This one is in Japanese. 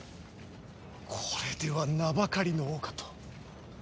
これでは名ばかりの王かと。